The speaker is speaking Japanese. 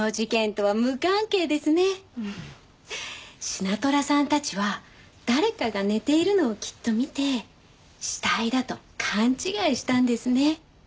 シナトラさんたちは誰かが寝ているのをきっと見て死体だと勘違いしたんですね。